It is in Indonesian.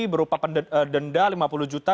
berupa denda lima puluh juta